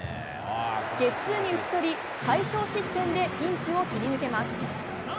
ゲッツーに打ち取り最小失点でピンチを切り抜けます。